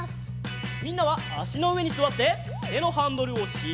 みんなはあしのうえにすわっててのハンドルをしっかりにぎります。